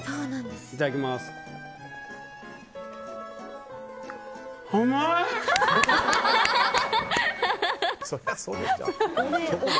いただきます。